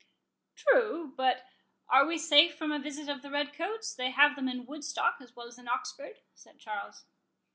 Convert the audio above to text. "True; but are we safe from a visit of the red coats—they have them in Woodstock as well as in Oxford?" said Charles.